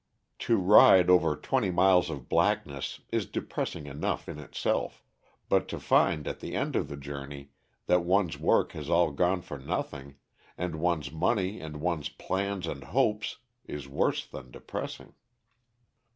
To ride over twenty miles of blackness is depressing enough in itself, but to find, at the end of the journey, that one's work has all gone for nothing, and one's money and one's plans and hopes, is worse than depressing.